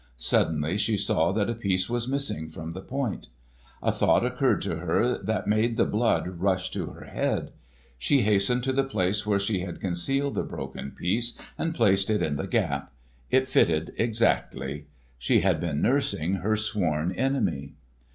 Suddenly she saw that a piece was missing from the point. A thought occurred to her that made the blood rush to her head. She hastened to the place where she had concealed the broken piece, and placed it in the gap. It fitted exactly. She had been nursing her sworn enemy!